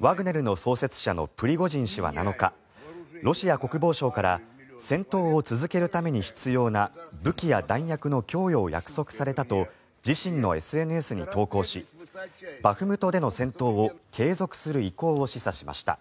ワグネルの創設者のプリゴジン氏は７日ロシア国防省から戦闘を続けるために必要な武器や弾薬の供与を約束されたと自身のＳＮＳに投稿しバフムトでの戦闘を継続する意向を示唆しました。